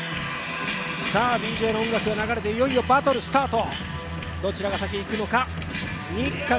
ＤＪの音楽が流れて、いよいよバトルスタート。